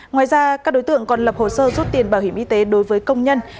ngoài ra các đối tượng còn lập hồ sơ rút tiền bảo hiểm y tế đối với công nhân